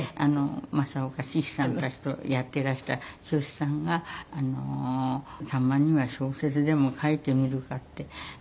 正岡子規さんたちとやっていらした虚子さんがたまには小説でも書いてみるかって。